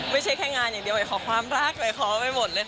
ไม่ใช่แค่งานอย่างเดียวเลยขอความรักเลยขอไปหมดเลยค่ะ